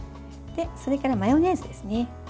それからマヨネーズですね。